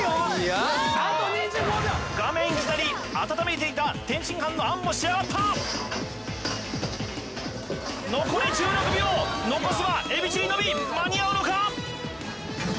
画面左温めていた天津飯のあんも仕上がった残り１６秒残すはエビチリのみ間に合うのか？